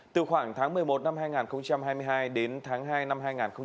từ khoảng tháng một mươi một năm hai nghìn hai mươi hai đến tháng hai năm hai nghìn hai mươi hai